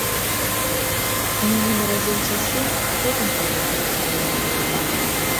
У мяне нарадзіўся сын, а потым паехаў зноў.